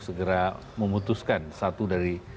segera memutuskan satu dari